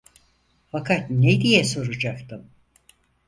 Fakat ne diye soracaktım?